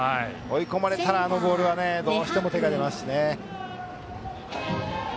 追い込まれたら、あのボールにはどうしても手が出ますね。